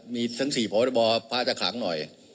มีทั้ง๔พรบพระจะขลังหน่อย